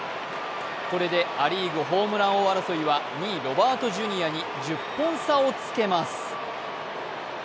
これでア・リーグホームラン王争いは２位、ロバートＪｒ．に１０本差をつけます。